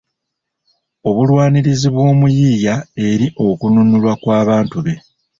Obulwanirizi bw’omuyiiya eri okununulwa kw’abantu be